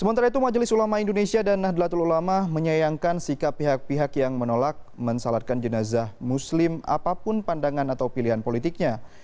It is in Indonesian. sementara itu majelis ulama indonesia dan nahdlatul ulama menyayangkan sikap pihak pihak yang menolak mensalatkan jenazah muslim apapun pandangan atau pilihan politiknya